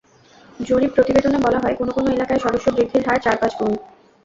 জরিপ প্রতিবেদনে বলা হয়, কোনো কোনো এলাকায় সদস্য বৃদ্ধির হার চার-পাঁচ গুণ।